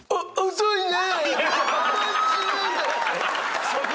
「遅いね」